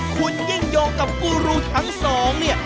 คุณยิ่งโยงกับกูรูทั้งสองเนี่ย